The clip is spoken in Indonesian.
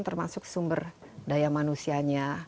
termasuk sumber daya manusianya